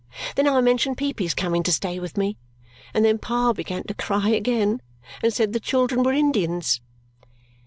Then I mentioned Peepy's coming to stay with me, and then Pa began to cry again and said the children were Indians."